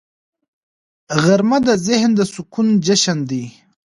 غرمه د ذهن د سکون جشن دی